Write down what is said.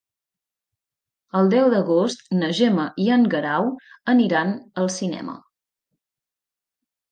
El deu d'agost na Gemma i en Guerau aniran al cinema.